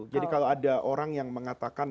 jadi kalau ada orang yang mengatakan